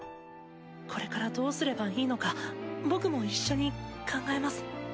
これからどうすればいいのか僕も一緒に考えます。